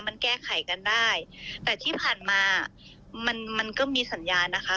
มันแก้ไขกันได้แต่ที่ผ่านมามันมันก็มีสัญญานะคะ